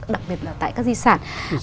đặc biệt là tại các di sản